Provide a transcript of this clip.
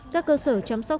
các cơ sở chăm sóc